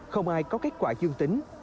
không ai có kết quả chương tính